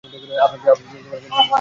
আপনার জন্য একটা ড্রিংক নিবো?